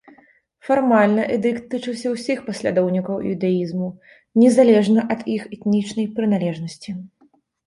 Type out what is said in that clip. Фармальна эдыкт тычыўся ўсіх паслядоўнікаў іўдаізму, незалежна ад іх этнічнай прыналежнасці.